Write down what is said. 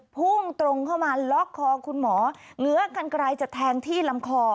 พุ่งตรงเข้ามาล็อกคอคุณหมอเงื้อกันไกลจะแทงที่ลำคอ